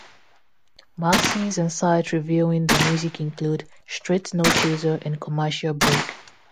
Magazines and sites reviewing the music include "Straight No Chaser" and Commercial Break.